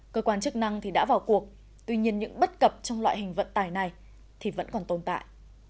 cơ quan chức năng đã vào cuộc tuy nhiên những bất cập trong loại hình vận tải này thì vẫn còn tồn tại